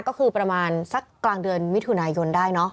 ก็คือประมาณสักกลางเดือนมิถุนายนได้เนอะ